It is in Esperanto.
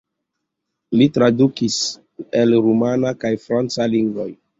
Li tradukis el rumana kaj franca lingvoj.